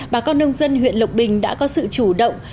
bà con nông dân huyện lộc bình đã có sự chủ động